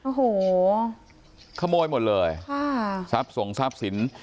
โอ้โหขโมยหมดเลยเสร็จส่งสรรพสินทร์